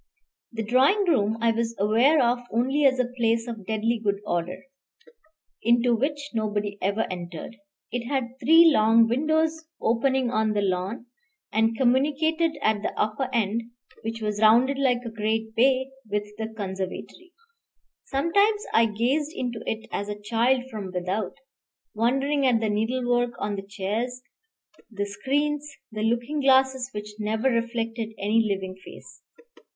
The drawing room I was aware of only as a place of deadly good order, into which nobody ever entered. It had three long windows opening on the lawn, and communicated at the upper end, which was rounded like a great bay, with the conservatory. Sometimes I gazed into it as a child from without, wondering at the needlework on the chairs, the screens, the looking glasses which never reflected any living face.